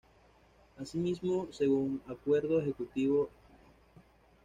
Así mismo, según acuerdo ejecutivo No.